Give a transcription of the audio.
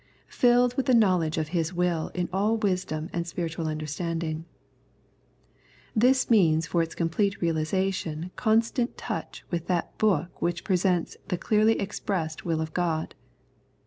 " Filled with the knowledge of His will in all wisdom and spiritual under standing^ This means for its complete realisation con stant touch with that Book which presents the clearly expressed will of God.